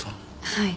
はい。